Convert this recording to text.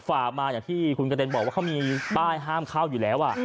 ฝ่ามาอย่างที่คุณกระเด็นบอกว่าเขามีป้ายห้ามเข้าอยู่แล้ว